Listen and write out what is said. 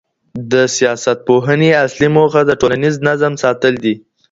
د سياستپوهني اصلي موخه د ټولنيز نظم ساتل دي.